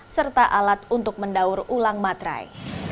serta alat untuk mendaur ulang materai